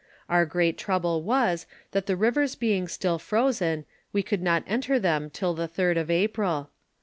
Our great trouble was, that the rivers being still frozen, we could not enter them till the 3d of April.